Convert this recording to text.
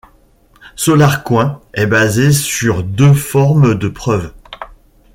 SolarCoin est basé sur deux formes de preuve.